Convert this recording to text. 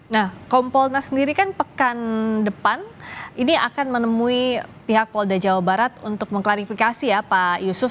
nah kompolnas sendiri kan pekan depan ini akan menemui pihak polda jawa barat untuk mengklarifikasi ya pak yusuf